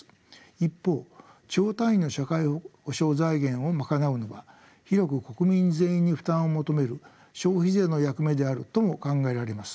一方兆単位の社会保障財源を賄うのは広く国民全員に負担を求める消費税の役目であるとも考えられます。